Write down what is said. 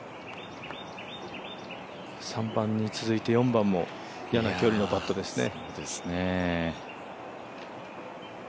３番に続いて４番も嫌な距離のパットですね。